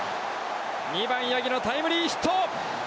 ２番、八木のタイムリーヒット。